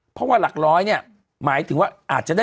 เพราะว่าหลักร้อยเนี่ยหมายถึงว่า